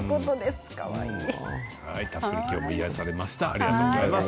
たっぷりきょうも癒やされました。